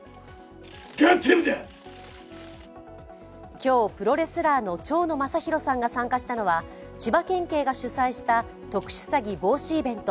今日、プロレラスーの蝶野正洋さんが参加したのは、千葉県警が主催した特殊詐欺防止イベント